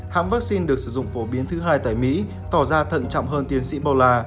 hãng vaccine được sử dụng phổ biến thứ hai tại mỹ tỏ ra thận trọng hơn tiến sĩ bollah